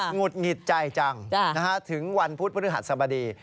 หุดหงิดใจจังถึงวันพุธพฤหัสสบดี